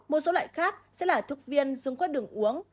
một số loại khác sẽ là thuốc viên dùng quét đường uống